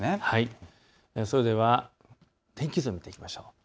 それでは天気図を見ていきましょう。